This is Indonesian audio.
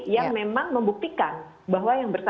yang memang membuktikan bahwa yang bersangkutan